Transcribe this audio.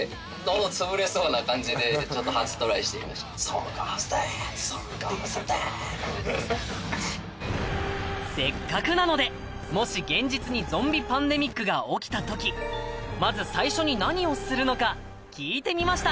ソング・オブ・ザ・デッド‼ソング・オブ・ザ・デッド‼せっかくなのでもし現実にゾンビ・パンデミックが起きた時まず最初に何をするのか聞いてみました。